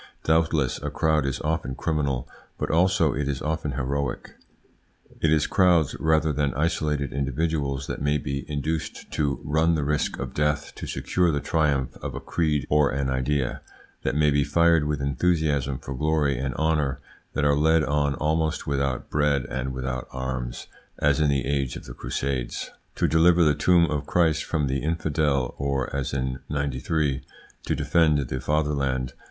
Doubtless a crowd is often criminal, but also it is often heroic. It is crowds rather than isolated individuals that may be induced to run the risk of death to secure the triumph of a creed or an idea, that may be fired with enthusiasm for glory and honour, that are led on almost without bread and without arms, as in the age of the Crusades to deliver the tomb of Christ from the infidel, or, as in '93, to defend the fatherland.